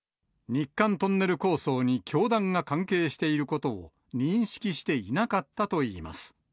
日韓トンネル構想に教団が関係していることを、認識していなかったといいます。